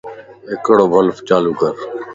ھڪڙو بلب چالو ڪر